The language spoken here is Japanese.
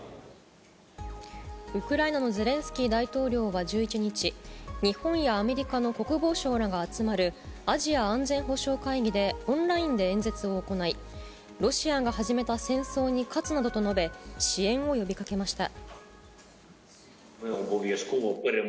ウクライナのゼレンスキー大統領は１１日、日本やアメリカの国防相らが集まるアジア安全保障会議でオンラインで演説を行い、ロシアが始めた戦争に勝つなどと述べ、支援を呼びかけました。